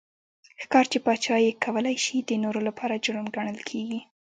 ښکار چې پاچا یې کولای شي د نورو لپاره جرم ګڼل کېږي.